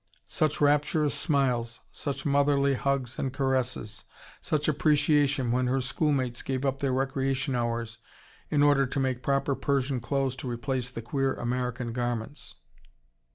Such rapturous smiles, such motherly hugs and caresses, such appreciation when her schoolmates gave up their recreation hours in order to make proper Persian clothes to replace the queer American garments!